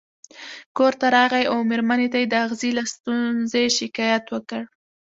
کور ته راغی او مېرمنې ته یې د اغزي له ستونزې شکایت وکړ.